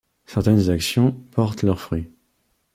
Certaines actions portent leur fruit.